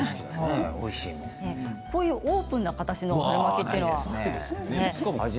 オープンな形の春巻きというのは？